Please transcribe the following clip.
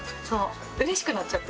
嬉しくなっちゃって。